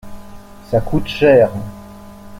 Ça coûte cher.